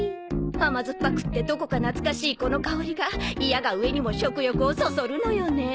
甘酸っぱくてどこか懐かしいこの香りがいやが上にも食欲をそそるのよねえ。